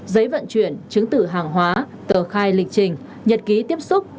giấy vận chuyển chứng tử hàng hóa tờ khai lịch trình nhật ký tiếp xúc